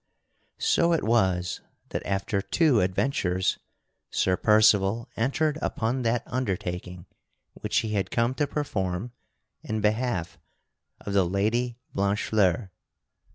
So it was that after two adventures, Sir Percival entered upon that undertaking which he had come to perform in behalf of the Lady Blanchefleur.